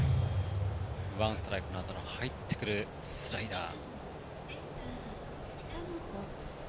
ワンストライクのあとの入ってくるスライダー。